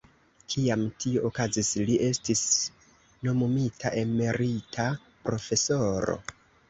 Kiam tio okazis, li estis nomumita emerita profesoro.